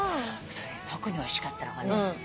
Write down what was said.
それで特においしかったのがね